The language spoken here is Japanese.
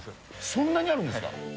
そんなにあるんですか？